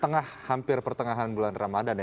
tengah hampir pertengahan bulan ramadhan ya